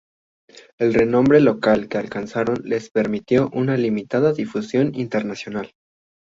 El renombre local que alcanzaron les permitió una limitada difusión internacional.